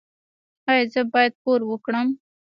ایا زه باید پور ورکړم؟